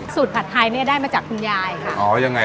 สูตรผัดไทยนี่ได้มาจากคุณยาย